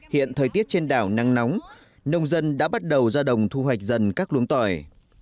hiện thời tiết trên đảo nắng nóng nông dân đã bắt đầu ra đồng thu hoạch dần các luống tỏi